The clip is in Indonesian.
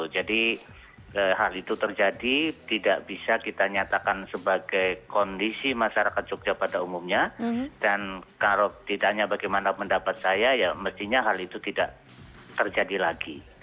jadi hal itu terjadi tidak bisa kita nyatakan sebagai kondisi masyarakat yogyakarta umumnya dan kalau ditanya bagaimana pendapat saya ya mestinya hal itu tidak terjadi lagi